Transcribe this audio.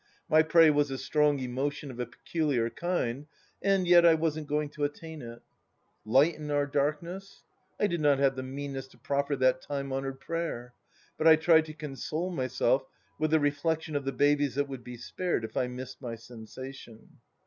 My prey was a strong emotion of a peculiar kind, and yet I wasn't going to attain it t " Lighten our darkness !..."! did not have the mean ness to proffer that time honoured prayer, but I tried to console myself with the reflection of the babies that would be spared if I missed my sensation.